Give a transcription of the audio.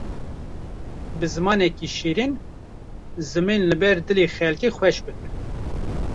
Bi zimanekî şêrîn zimên li ber dilê xelkê xweş bikin.